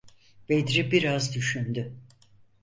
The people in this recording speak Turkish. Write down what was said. Bedri biraz düşündü.